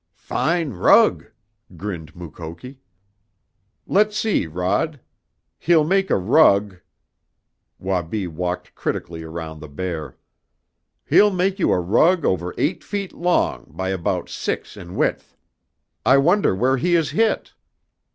"Fine rug!" grinned Mukoki. "Let's see, Rod; he'll make a rug " Wabi walked critically around the bear. "He'll make you a rug over eight feet long by about six in width. I wonder where he is hit?"